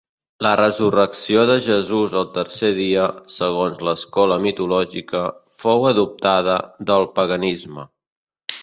La resurrecció de Jesús al tercer dia, segons l'escola mitològica, fou adoptada del paganisme.